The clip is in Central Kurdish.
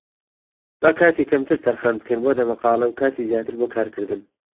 با کاتی کەمتر تەرخان بکەین بۆ دەمەقاڵێ و کاتی زیاتر بۆ کارکردن.